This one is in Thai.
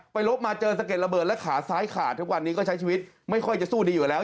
ลบมาเจอสะเด็ดระเบิดและขาซ้ายขาดทุกวันนี้ก็ใช้ชีวิตไม่ค่อยจะสู้ดีอยู่แล้ว